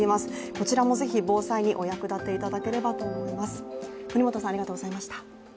こちらもぜひ、防災にお役立ていただければと思います。